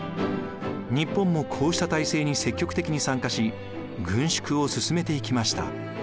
日本もこうした体制に積極的に参加し軍縮を進めていきました。